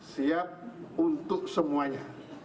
siap untuk semuanya